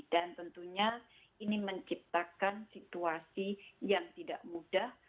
dan tentunya ini menciptakan situasi yang tidak mudah